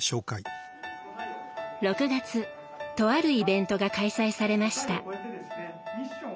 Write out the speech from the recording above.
６月、とあるイベントが開催されました。